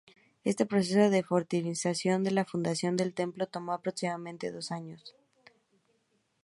Este proceso de fortificación de la fundación del templo tomo aproximadamente dos años.